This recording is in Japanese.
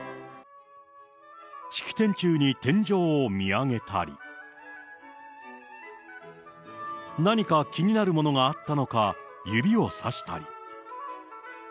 式典中に天井を見上げたり、何か気になるものがあったのか、指をさしたり。